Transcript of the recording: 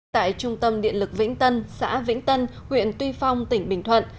tại trung tâm điện lực vĩnh tân xã vĩnh tân huyện tuy phong tỉnh bình thuận